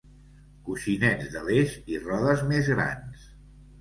Coixinets de l'eix i rodes més grans.